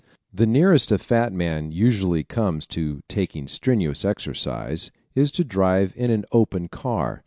The nearest a fat man usually comes to taking strenuous exercise is to drive in an open car.